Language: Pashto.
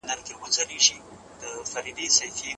همږغي د ټولنيزو ډلو ترمنځ باور زياتوي.